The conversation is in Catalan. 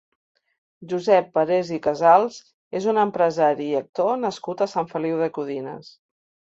Josep Parés i Casals és un empresari i actor nascut a Sant Feliu de Codines.